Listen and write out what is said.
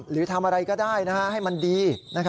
หรือทำอะไรก็ได้ให้มันดี